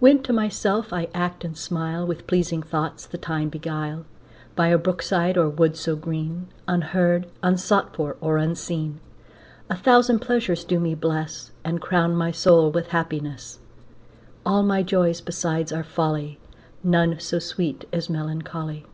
When to myself I act and smile, With pleasing thoughts the time beguile, By a brook side or wood so green, Unheard, unsought for, or unseen, A thousand pleasures do me bless, And crown my soul with happiness. All my joys besides are folly, None so sweet as melancholy.